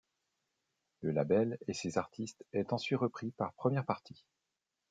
Le label et ses artistes est ensuite repris par Première Partie.